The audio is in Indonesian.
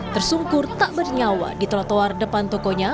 tersungkur tak bernyawa di trotoar depan tokonya